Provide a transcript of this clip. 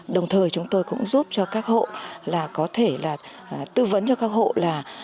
đồng thời chúng tôi cũng giúp cho các hộ là có thể là tư vấn cho các hộ là